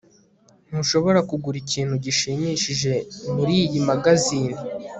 ntushobora kugura ikintu gishimishije muriyi mangazini